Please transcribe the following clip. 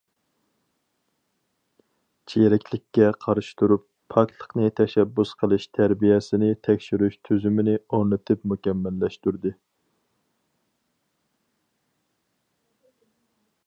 چىرىكلىككە قارشى تۇرۇپ، پاكلىقىنى تەشەببۇس قىلىش تەربىيەسىنى تەكشۈرۈش تۈزۈمىنى ئورنىتىپ مۇكەممەللەشتۈردى.